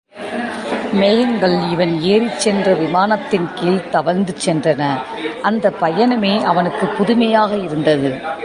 மேகங்கள் இவன் ஏறிச் சென்ற விமானத்தின் கீழ்த் தவழ்ந்து சென்றன, அந்தப் பயணமே அவனுக்குப் புதுமையாக இருந்தது.